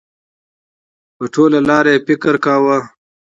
په ټوله لار یې فکر واهه.